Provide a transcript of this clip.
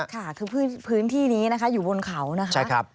คือพื้นที่นี้อยู่บนเขานะครับ